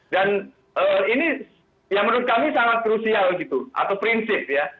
dan ini yang menurut kami sangat krusial gitu atau prinsip ya